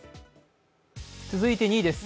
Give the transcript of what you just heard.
続いて２位です。